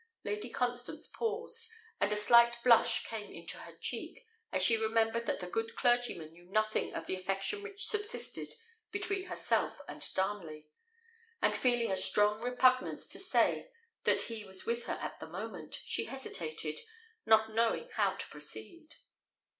Lady Constance paused, and a slight blush came into her cheek, as she remembered that the good clergyman knew nothing of the affection which subsisted between herself and Darnley; and feeling a strong repugnance to say that he was with her at the moment, she hesitated, not knowing how to proceed.